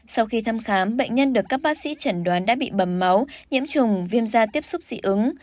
sau khi thăm khám bệnh nhân được các bác sĩ chẩn đoán đã bị bầm máu nhiễm trùng viêm da tiếp xúc dị ứng